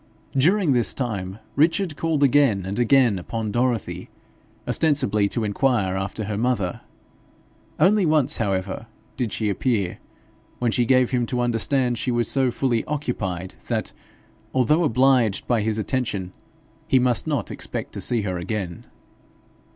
During this time Richard called again and again upon Dorothy, ostensibly to inquire after her mother. Only once, however, did she appear, when she gave him to understand she was so fully occupied, that, although obliged by his attention, he must not expect to see her again.